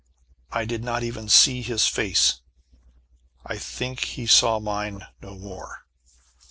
I did not even see his face. I think he saw mine no more.